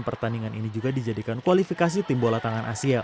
pertandingan ini juga dijadikan kualifikasi tim bola tangan asia